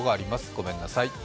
ごめんなさい。